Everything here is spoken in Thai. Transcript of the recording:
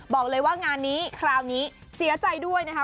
บอกเลยว่างานนี้คราวนี้เสียใจด้วยนะคะ